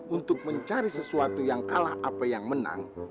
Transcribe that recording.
untuk mencari sesuatu yang kalah apa yang menang